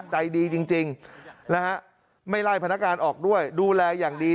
ใจดีจริงนะฮะไม่ไล่พนักงานออกด้วยดูแลอย่างดี